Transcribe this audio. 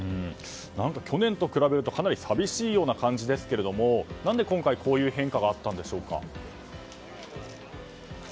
去年と比べると寂しい感じですが何で今回、こういう変化があったんでしょうか。